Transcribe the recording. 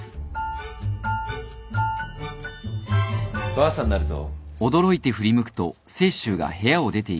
ばあさんになるぞ。